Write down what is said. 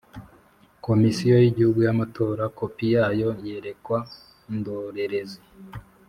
Komisiyo y igihugu y amatora kopi yayo yerekwa indorerezi